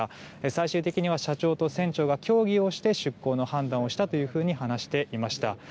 最終的には社長と船長が協議をして出航の判断をしたと話していました。